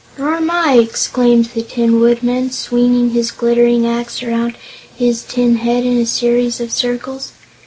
"Nor am I!" exclaimed the Tin Woodman, swinging his glittering axe around his tin head, in a series of circles.